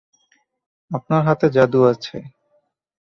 আপনার হাতে জাদু আছে।